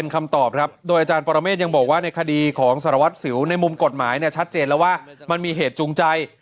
ก็ยังบอกว่าในคดีของสรวจสิวในมุมกฎหมายชัดเจนแล้วว่ามันมีเหตุจูงใจ